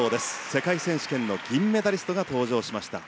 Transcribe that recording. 世界選手権の銀メダリストが登場しました。